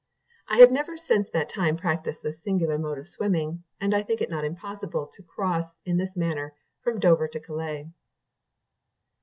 I have never since that time practised this singular mode of swimming, and I think it not impossible to cross, in this manner, from Dover to Calais."